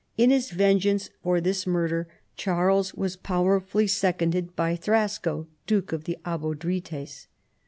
In his vengeance for this murder Charles was powerfully seconded by Thrasco, Duke of the Abod rites.